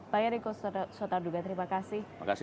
pak yeriko sotardugatri terima kasih